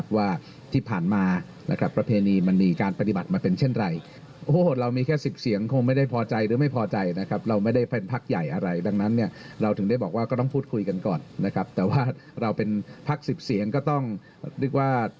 คุยกันก่อนนะครับแต่ว่าเราเป็นพักสิบเสียงก็ต้องนึกว่า